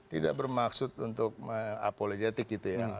tidak bermaksud untuk apolijetik gitu ya